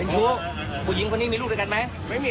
ไม่ใช่ผู้หญิงคนขับแบบนี้เนี่ย